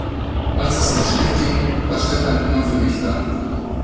Als es mir schlecht ging, war Stefan immer für mich da.